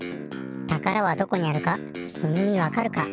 たからはどこにあるかきみにわかるか？